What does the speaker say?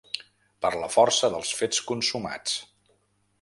Per la força dels fets consumats